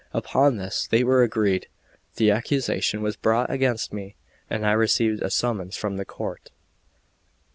Upon this they were agreed. The accusation was brought against me, and I received a summons from the court.